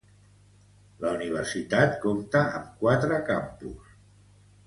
La universitat compta amb quatre campus.